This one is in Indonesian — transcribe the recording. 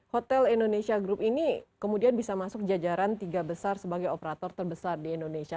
hotel indonesia group ini kemudian bisa masuk jajaran tiga besar sebagai operator terbesar di indonesia